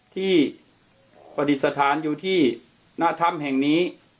ที่ปฏิสถานอยู่ที่หน้าธรรมแห่งนี้